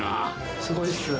すごいっす！